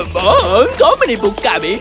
pembohong kau menipu kami